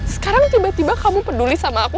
sekarang tiba tiba kamu peduli sama aku